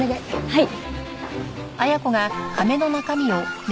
はい。